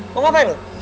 mau ngapain lu